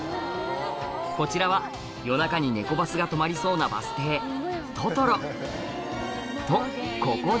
こちらは夜中にネコバスが止まりそうなバス停土々呂とここで！